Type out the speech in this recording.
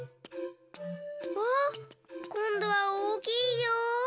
わっこんどはおおきいよ。